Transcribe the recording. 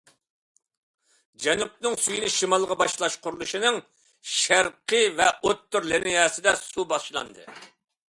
جەنۇبنىڭ سۈيىنى شىمالغا باشلاش قۇرۇلۇشىنىڭ شەرقىي ۋە ئوتتۇرا لىنىيەسىدە سۇ باشلاندى.